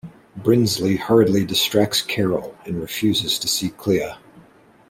Brindsley hurriedly distracts Carol, and refuses to see Clea.